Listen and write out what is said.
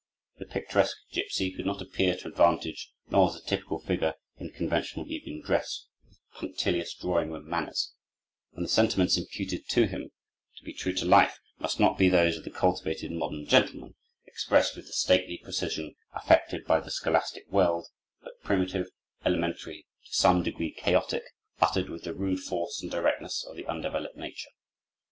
The picturesque gipsy could not appear to advantage, nor as a typical figure in conventional evening dress, with punctilious drawing room manners; and the sentiments imputed to him, to be true to life, must not be those of the cultivated modern gentleman, expressed with the stately precision affected by the scholastic world; but primitive, elementary, to some degree chaotic, uttered with the rude force and directness of the undeveloped nature.